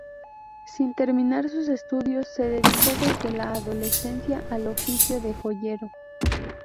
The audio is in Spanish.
Sin terminar sus estudios, se dedicó desde la adolescencia al oficio de joyero.